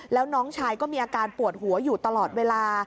แล้วน้องชายก็มีอาการปวดหัวอยู่ตลอดเวลา